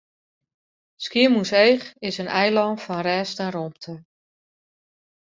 Skiermûntseach is in eilân fan rêst en rûmte.